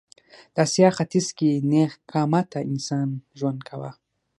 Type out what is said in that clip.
د اسیا ختیځ کې نېغ قامته انسان ژوند کاوه.